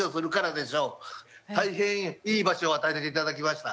大変いい場所を与えていただきました。